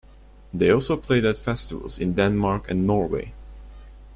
They also played at festivals in Denmark and Norway.